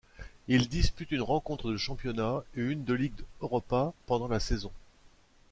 Il dispute une rencontre de championnat et une de Ligue Europa pendant la saison.